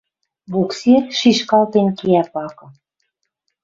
Буксир шишкалтен кеӓ пакы.